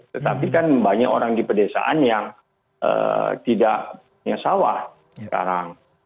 tetapi kan banyak orang di pedesaan yang tidak punya sawah sekarang